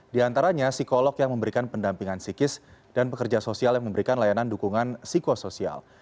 di antaranya psikolog yang memberikan pendampingan psikis dan pekerja sosial yang memberikan layanan dukungan psikosoial